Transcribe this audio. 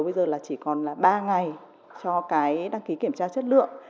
bây giờ là chỉ còn là ba ngày cho cái đăng ký kiểm tra chất lượng